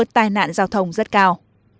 tai nạn giao thông rất cao